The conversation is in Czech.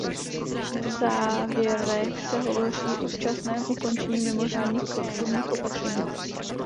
V závěrech se hovoří o včasném ukončení mimořádných podpůrných opatření.